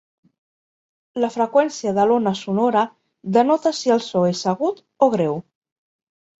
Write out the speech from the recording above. La freqüència de l'ona sonora denota si el so és agut o greu.